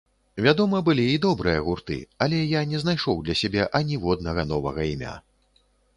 Вядома, былі і добрыя гурты, але я не знайшоў для сябе аніводнага новага імя.